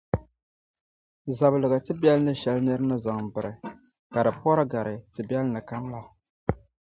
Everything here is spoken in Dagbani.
zabiliga tibiɛl’ shɛli nir’ ni zaŋ biri, ka di pɔri gari tibiɛlinli kam la.